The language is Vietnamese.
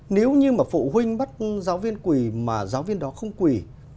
nếu như mà phụ huynh bắt giáo viên quỳ mà giáo viên đó không quỳ